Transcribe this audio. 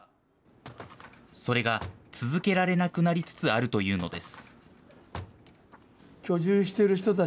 それが続けられなくなりつつあるというのです。